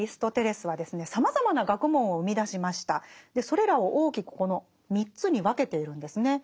それらを大きくこの３つに分けているんですね。